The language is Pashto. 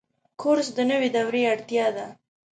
کورس د نوي دورې اړتیا ده.